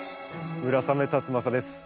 村雨辰剛です。